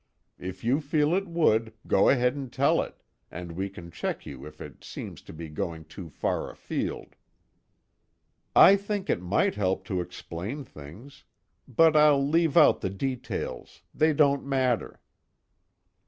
If you feel it would, go ahead and tell it, and we can check you if it seems to be going too far afield." "I think it might help to explain things. But I'll leave out the details they don't matter."